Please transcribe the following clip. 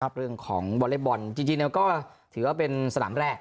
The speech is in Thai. ระบเรียงของบอลเลฟบอลจริงเนี่ยก็ถือว่าเป็นสนามแรก